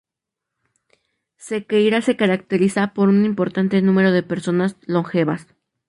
Sequeira se caracteriza por un importante número de personas longevas.